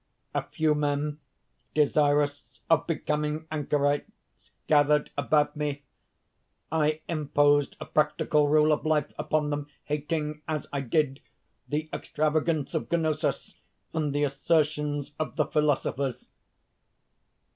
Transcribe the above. A few men, desirous of becoming anchorites, gathered about me. I imposed a practical rule of life upon them, hating, as I did, the extravagance of Gnosus and the assertions of the philosophers.